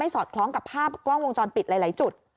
สอดคล้องกับภาพกล้องวงจรปิดหลายจุด